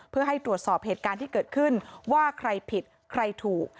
เพื่อให้ตรวจสอบเหตุการณ์ที่เกิดขึ้นว่าใครผิดใครถูก